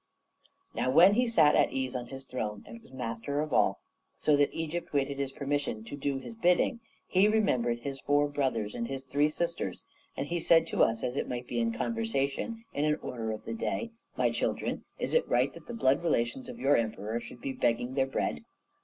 "Now, when he sat at ease on his throne, and was master of all, so that Europe waited his permission to do his bidding, he remembered his four brothers and his three sisters, and he said to us, as it might be in conversation, in an order of the day, 'My children, is it right that the blood relations of your Emperor should be begging their bread?